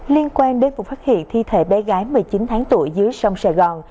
liên quan đến vụ phát hiện thi thể bé gái một mươi chín tháng tuổi dưới sông sài gòn